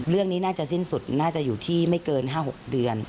เรื่องนี้น่าจะสิ้นสุดน่าจะอยู่ที่ไม่เกิน๕๖เดือน